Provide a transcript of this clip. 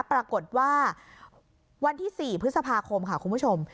ปรากฏว่าวันที่๔พฤษภาคมค่ะคุณผู้ชม